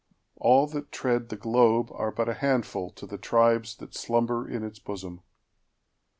All that treadThe globe are but a handful to the tribesThat slumber in its bosom.